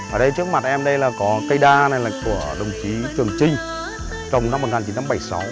ở đây trước mặt em đây là có cây đa này là của đồng chí trường trinh trồng năm một nghìn chín trăm bảy mươi sáu